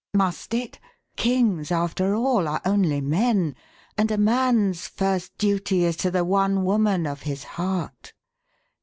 "Must it? Kings after all are only men and a man's first duty is to the one woman of his heart."